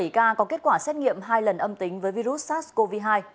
bảy ca có kết quả xét nghiệm hai lần âm tính với virus sars cov hai